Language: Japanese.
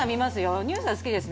ニュースは好きですね。